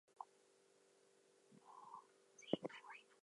Publishing a newspaper on the frontier was challenging.